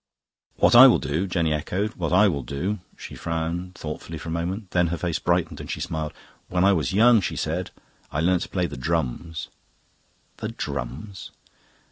"What will I do," Jenny echoed, "what will I do?" She frowned thoughtfully for a moment; then her face brightened and she smiled. "When I was young," she said, "I learnt to play the drums." "The drums?"